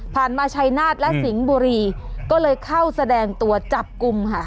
มาชัยนาฏและสิงห์บุรีก็เลยเข้าแสดงตัวจับกลุ่มค่ะ